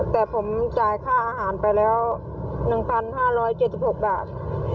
แต่ผมจ่ายค่าอาหารไปแล้ว๑๕๗๖บาท